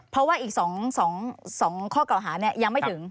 เพราะว่าอีก๒ข้อเก่าหายังไม่ถึง